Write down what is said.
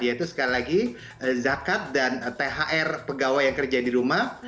yaitu sekali lagi zakat dan thr pegawai yang kerja di rumah